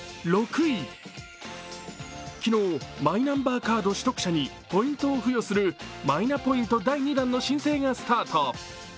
昨日、マイナンバーカード取得者にポイントを付与するマイナポイント第２弾の申請がスタート。